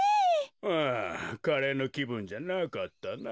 うんカレーのきぶんじゃなかったなあ。